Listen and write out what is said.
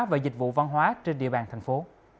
và dịch vụ văn hóa trên địa bàn thành phố